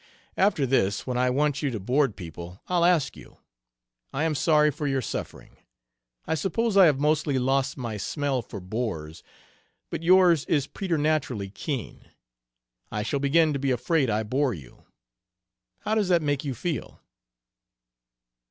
After this when I want you to board people, I'll ask you. I am sorry for your suffering. I suppose I have mostly lost my smell for bores; but yours is preternaturally keen. I shall begin to be afraid I bore you. (How does that make you feel?)"